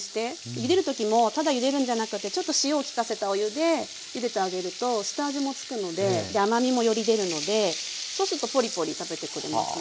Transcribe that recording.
ゆでる時もただゆでるんじゃなくてちょっと塩を利かせたお湯でゆでてあげると下味も付くのでで甘みもより出るのでそうするとポリポリ食べてくれますね。